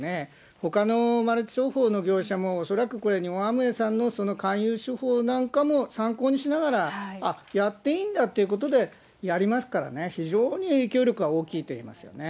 ほかのマルチ商法の業者も恐らく、日本アムウェイさんの勧誘手法なんかも参考にしながら、あっ、やっていいんだということでやりますからね、非常に影響力は大きいと言えますよね。